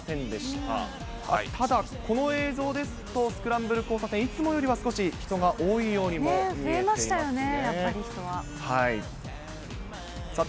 ただ、この映像ですと、スクランブル交差点、いつもよりは少し人が多いようにも見えていますね。